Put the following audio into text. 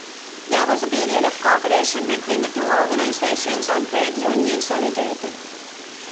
There was a period of cooperation between the two organizations on trade union solidarity.